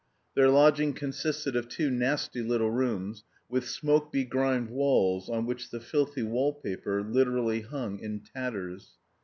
Their lodging consisted of two nasty little rooms, with smoke begrimed walls on which the filthy wall paper literally hung in tatters.